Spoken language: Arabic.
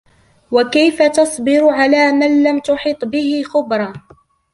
وَكَيْفَ تَصْبِرُ عَلَى مَا لَمْ تُحِطْ بِهِ خُبْرًا